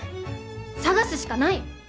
探すしかない！